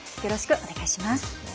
よろしくお願いします。